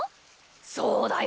そうだよ。